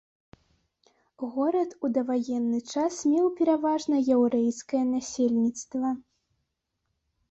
Горад у даваенны час меў пераважна яўрэйскае насельніцтва.